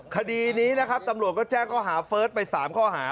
คดีนี้นะครับตำรวจก็แจ้งข้อหาเฟิร์สไป๓ข้อหา